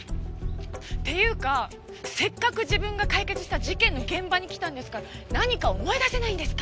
っていうかせっかく自分が解決した事件の現場に来たんですから何か思い出せないんですか？